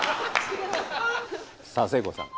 さあせいこうさん。